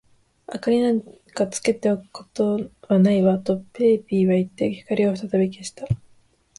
「明りなんかつけておくことはないわ」と、ペーピーはいって、光をふたたび消した。